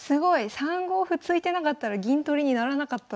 ３五歩突いてなかったら銀取りにならなかったのに。